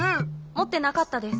もってなかったです。